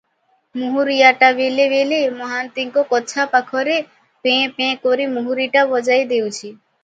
ମହୁରିଆଟା ବେଳେ ବେଳେ ମହାନ୍ତିଙ୍କ କଛା ପାଖରେ ପେଁ-ପେଁ କରି ମହୁରିଟା ବଜାଇ ଦେଉଛି ।